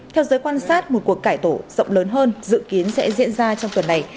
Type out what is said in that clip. theo giới quan sát một cuộc cải tổ rộng lớn hơn dự kiến sẽ diễn ra trong tuần này